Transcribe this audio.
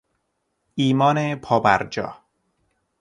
ایمان پا بر جا